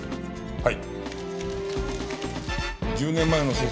はい。